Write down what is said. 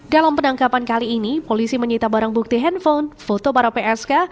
dalam penangkapan kali ini polisi menyita barang bukti handphone foto para psk